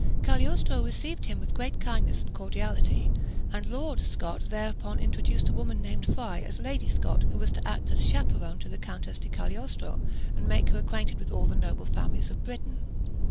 Cagliostro received him with great kindness and cordiality; and "Lord" Scot thereupon introduced a woman named Fry as Lady Scot, who was to act as chaperone to the Countess di Cagliostro, and make her acquainted with all the noble families of Britain.